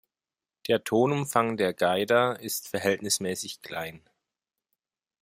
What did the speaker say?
Der Tonumfang der "gajda" ist verhältnismäßig klein.